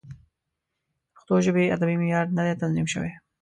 د پښتو ژبې ادبي معیار نه دی تنظیم شوی.